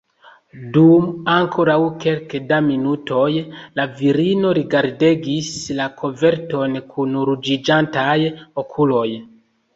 Dum ankoraŭ kelke da minutoj la virino rigardegis la koverton kun ruĝiĝantaj okuloj.